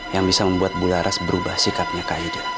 yang bisa membuat bularas berubah sikapnya ke aida